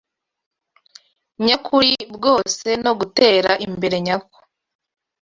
nyakuri bwose no gutera imbere nyako.